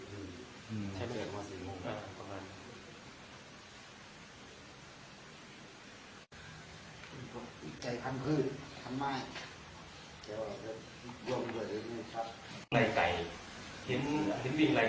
ต้องคนแบบราพมีลังติดหุ้วูดชอบเหมียร์